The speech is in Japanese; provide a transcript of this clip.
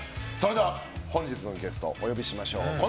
本日のゲストお呼びしましょう。